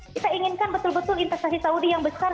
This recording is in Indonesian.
kita inginkan betul betul investasi saudi yang besar